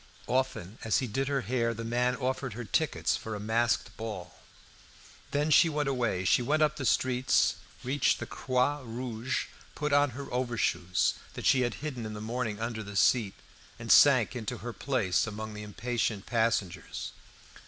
Often, as he did her hair, the man offered her tickets for a masked ball. Then she went away. She went up the streets; reached the Croix Rouge, put on her overshoes, that she had hidden in the morning under the seat, and sank into her place among the impatient passengers.